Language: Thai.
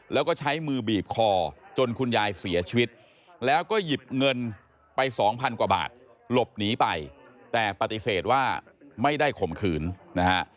แล้วก็ใช้มือบีบคอจนคุณยายเสียชีวิตแล้วก็หยิบเงินไปสองพันกว่าบาทหลบหนีไปแต่ปฏิเสธว่าไม่ได้ข่มขืนนะฮะ